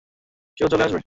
কেউ চলে আসবে।